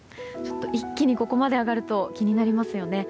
一気にここまで上がると気になりますよね。